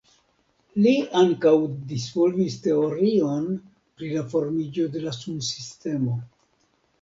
Li ankaŭ disvolvis teorion pri la formiĝo de la sunsistemo.